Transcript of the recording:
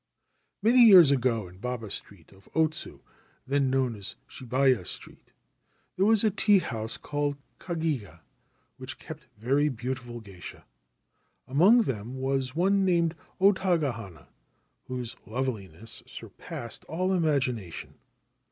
c Many years ago in Baba Street of Otsu, then known as Shibaya Street, there was a teahouse called Kagiya, which kept very beautiful geisha. Among them was one, named O Taga hana, whose loveliness surpassed all imagination.